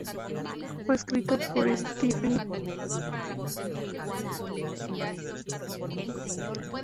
Fue escrito por Stephanie Gillis y dirigido por Mark Kirkland.